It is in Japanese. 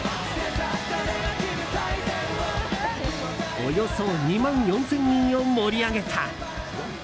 およそ２万４０００人を盛り上げた。